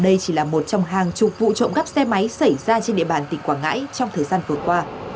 đây chỉ là một trong hàng chục vụ trộm cắp xe máy xảy ra trên địa bàn tỉnh quảng ngãi trong thời gian vừa qua